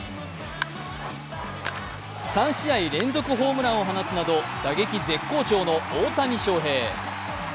３試合連続ホームランを放つなど打撃絶好調の大谷翔平。